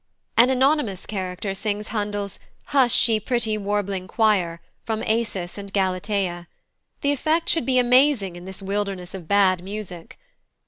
An anonymous character sings Handel's "Hush, ye pretty warbling choir," from Acis and Galatea. The effect should be amazing in this wilderness of bad music.